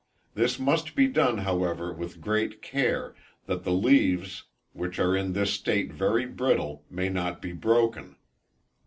This must be done, however, with great care, that the leaves, which are in this state very brittle, may not be broken.